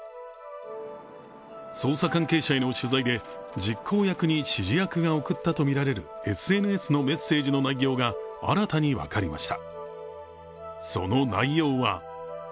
捜査関係者への取材で実行役に指示役が送ったとみられるＳＮＳのメッセージの内容が新たに分かりました。